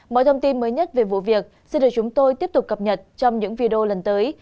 mọi thông tin mới nhất về vụ việc xin được chúng tôi tiếp tục cập nhật trong những video lần tới